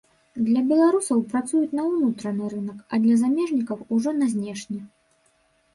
Для беларусаў працуюць на ўнутраны рынак, а для замежнікаў ужо на знешні.